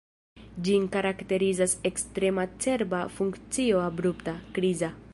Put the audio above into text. Ĝin karakterizas ekstrema cerba funkcio abrupta, kriza.